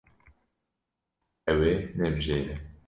Ew ê nebijêre.